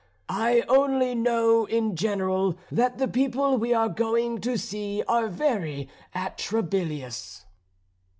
I only know in general that the people we are going to see are very atrabilious."